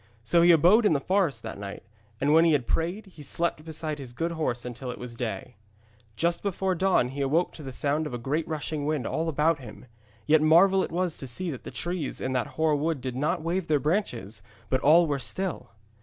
So he abode in the forest that night, and when he had prayed he slept beside his good horse until it was day. Just before the dawn he awoke to the sound of a great rushing wind all about him. Yet marvel it was to see that the trees in that hoar wood did not wave their branches, but all were still.